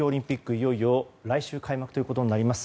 いよいよ来週開幕となります。